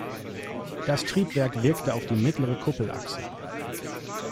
Das Triebwerk wirkte auf die mittlere Kuppelachse.